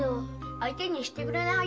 相手にしてくれないよ。